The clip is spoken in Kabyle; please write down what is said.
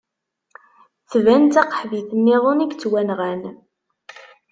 Tban d taqaḥbit niḍen i yettwanɣan.